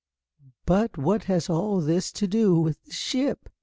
"But what has all that to do with the ship?"